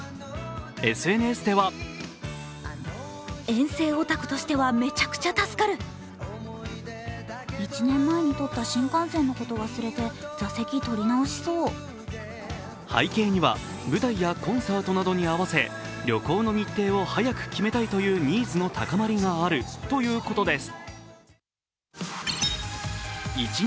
ＳＮＳでは背景には、舞台やコンサートなどに合わせ旅行の日程を早く決めたいというニーズの高まりがあるということです。